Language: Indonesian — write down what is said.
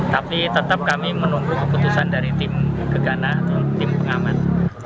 tapi tetap kami menunggu keputusan dari tim kegana tim pengaman